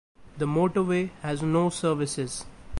The motorway has no services.